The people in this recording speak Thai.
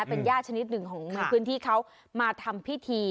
เป็นญาติชนิดหนึ่งของในพื้นที่เขามาทำพิธี